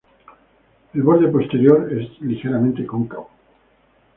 El borde posterior es ligeramente cóncavo.